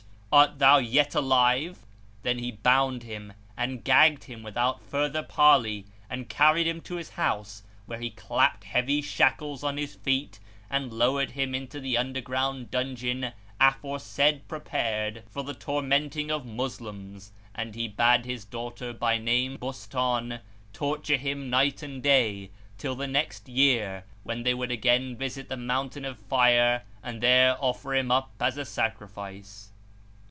art thou yet alive?" Then he bound him and gagged him without further parley, and carried him to his house, where he clapped heavy shackles on his feet and lowered him into the underground dungeon aforesaid prepared for the tormenting of Moslems, and he bade his daughter by name Bostán,[FN#397] torture him night and day, till the next year, when they would again visit the Mountain of Fire and there offer him up as a sacrifice.